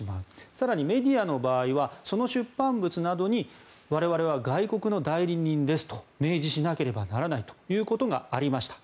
更に、メディアの場合はその出版物などに我々は外国の代理人ですと明示しなければならないということがありました。